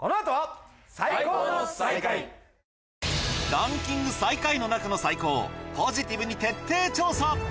ランキング最下位の中の最高をポジティブに徹底調査！